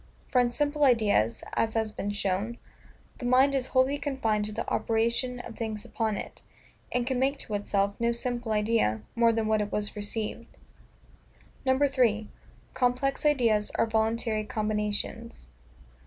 For in simple ideas (as has been shown) the mind is wholly confined to the operation of things upon it, and can make to itself no simple idea, more than what it was received. 3. Complex Ideas are voluntary Combinations.